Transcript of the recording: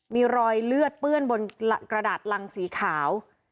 มีรอยเลือดเปื้อนบนกระดาษรังสีขาว